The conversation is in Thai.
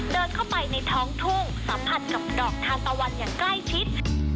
เดินเข้าไปในท้องทุ่งสัมผัสกับดอกทานตะวันอย่างใกล้ชิด